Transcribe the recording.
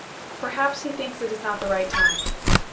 "Perhaps he thinks it is not the right time."